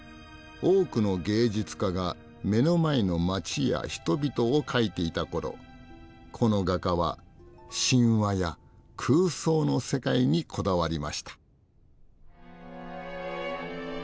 多くの芸術家が目の前の街や人々を描いていたころこの画家は神話や空想の世界にこだわりました。